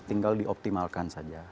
tinggal dioptimalkan saja